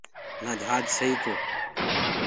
نآ جھاج سئٚ تو